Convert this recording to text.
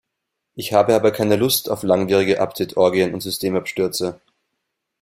Ich habe aber keine Lust auf langwierige Update-Orgien und Systemabstürze.